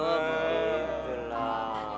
aduh gitu lah